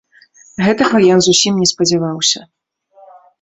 Гэтага ён зусім не спадзяваўся.